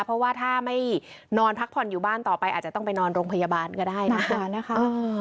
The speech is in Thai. เพราะว่าถ้าไม่นอนพักผ่อนอยู่บ้านต่อไปอาจจะต้องไปนอนโรงพยาบาลก็ได้นะคะ